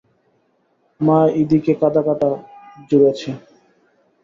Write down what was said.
মা ইদিকে কাঁদাকাটা জুড়েছে।